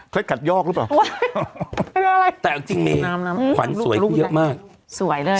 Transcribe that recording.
เคร็ดขัดยอกหรือเปล่าแต่จริงมีน้ำน้ำขวัญสวยขึ้นเยอะมากสวยเลยน่ะ